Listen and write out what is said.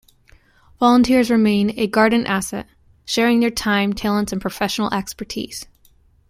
Volunteers remain a Garden asset, sharing their time, talents and professional expertise.